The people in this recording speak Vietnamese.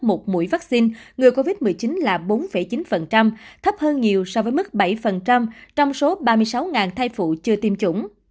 một mũi vaccine ngừa covid một mươi chín là bốn chín thấp hơn nhiều so với mức bảy trong số ba mươi sáu thai phụ chưa tiêm chủng